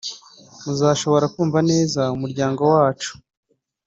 muzashobora kumva neza umuryango wacu